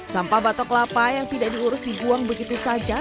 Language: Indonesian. sampah batok kelapa yang tidak diurus dibuang begitu saja